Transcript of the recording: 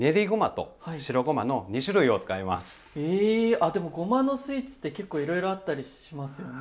あでもごまのスイーツって結構いろいろあったりしますよね。